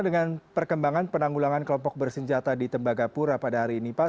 dengan perkembangan penanggulangan kelompok bersenjata di tembagapura pada hari ini pak